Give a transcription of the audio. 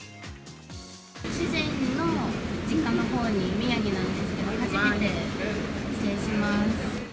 主人の実家のほうに、宮城なんですけど、初めて帰省します。